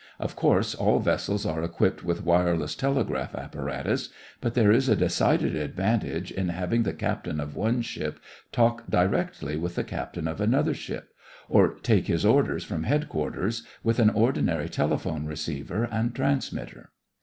Of course all vessels are equipped with wireless telegraph apparatus, but there is a decided advantage in having the captain of one ship talk directly with the captain of another ship, or take his orders from headquarters, with an ordinary telephone receiver and transmitter.